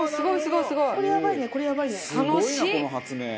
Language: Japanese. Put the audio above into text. すごい！